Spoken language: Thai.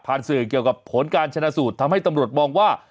สื่อเกี่ยวกับผลการชนะสูตรทำให้ตำรวจมองว่า